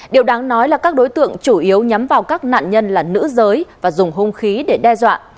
điều đáng nói là các đối tượng chủ yếu nhắm vào các nạn nhân là nữ giới và dùng hung khí để đe dọa